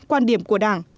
quan điểm của đảng